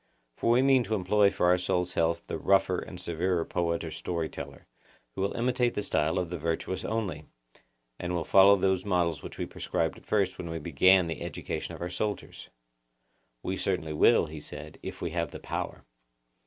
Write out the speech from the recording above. For we mean to employ for our souls' health the rougher and severer poet or story teller, who will imitate the style of the virtuous only, and will follow those models which we prescribed at first when we began the education of our soldiers. We certainly will, he said, if we have the power.